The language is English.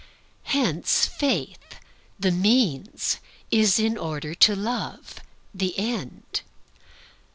Hence Faith, the means, is in order to Love, the end.